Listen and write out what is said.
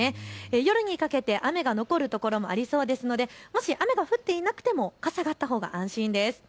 夜にかけて雨が残る所もありそうですので、もし強い雨が降っていなくても傘はあったほうが安心です。